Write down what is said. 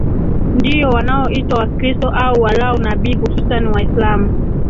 ndio wanaoitwa Wakristo au walau nabii hususani Waislamu